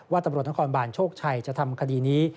ตำรวจนครบาลโชคชัยจะทำคดีนี้